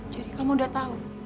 jadi kamu udah tahu